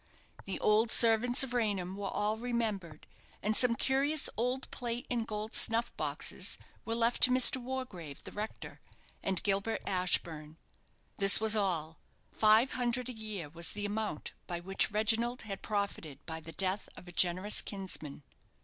The old servants of Raynham were all remembered, and some curious old plate and gold snuff boxes were left to Mr. Wargrave, the rector, and Gilbert Ashburne. This was all. Five hundred a year was the amount by which Reginald had profited by the death of a generous kinsman.